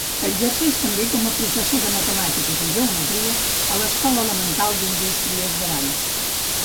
Exerceix també com a professor de matemàtiques i geometria a l'Escola Elemental d'Indústries de Valls.